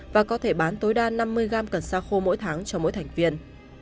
và có thể bán tối đa năm mươi gram cần xa khô mỗi tháng cho mỗi thành viên